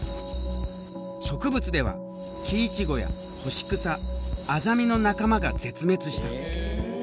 植物ではキイチゴやホシクサアザミの仲間が絶滅した。